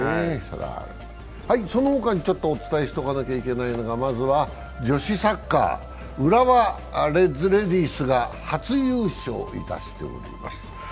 その他にお伝えしとかなきゃいけないのがまずは女子サッカー、浦和レッズレディースが初優勝しております。